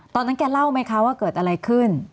ตอนนั้นแกเล่าไหมคะว่าเกิดอะไรขึ้น